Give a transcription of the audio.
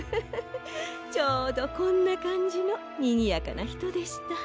ちょうどこんなかんじのにぎやかなひとでした。